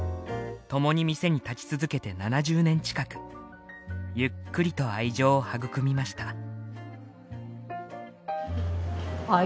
共に店に立ち続けて７０年近く。ゆっくりと愛情を育みました。